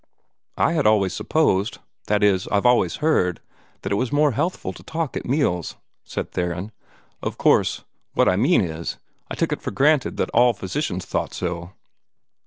"I had always supposed that is, I've always heard that it was more healthful to talk at meals," said Theron. "Of course what I mean I took it for granted all physicians thought so."